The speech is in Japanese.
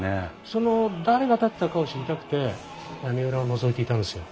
その誰が建てたかを知りたくて屋根裏をのぞいていたんですよ。